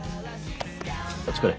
お疲れ。